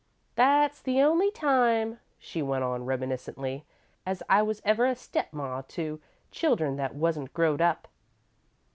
"That's the only time," she went on, reminiscently, "as I was ever a step ma to children what wasn't growed up.